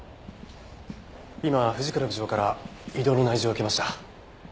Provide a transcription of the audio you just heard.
今藤倉部長から異動の内示を受けました。